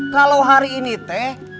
kalau hari ini teh